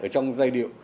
trong giai điệu